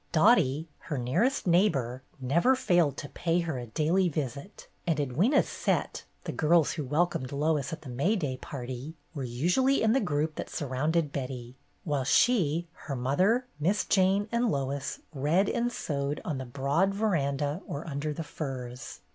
Dottie, her nearest neighbor, never failed to pay her a daily visit, and Edwyna's "set,'' the girls who welcomed Lois at the May day party, were usually in the group that surrounded Betty, while she, her mother. Miss Jane, and Lois read and sewed on the broad veranda or under the firs.